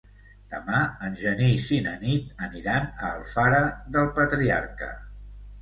Demà en Genís i na Nit aniran a Alfara del Patriarca.